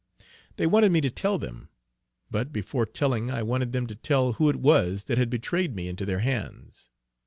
They wanted me to tell them; but before telling I wanted them to tell who it was that had betrayed me into their hands.